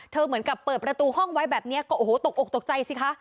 เหมือนกับเปิดประตูห้องไว้แบบนี้ก็โอ้โหตกอกตกใจสิคะ